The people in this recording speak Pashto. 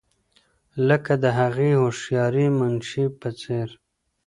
لکه د هغې هوښیارې منشي په څېر.